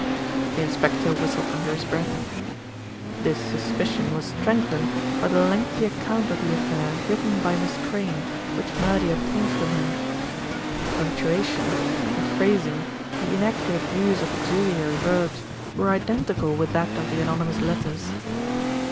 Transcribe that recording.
The inspector whistled under his breath. "This suspicion was strengthened by the lengthy account of the affair written by Miss Crayne, which Murdy obtained from her. The punctuation, the phrasing, the inaccurate use of auxiliary verbs, were identical with that of the anonymous letters.